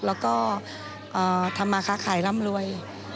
แล้วก็ทำมาค้าขายร่ำรวย